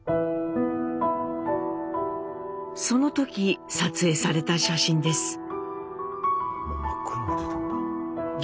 その時撮影された写真です。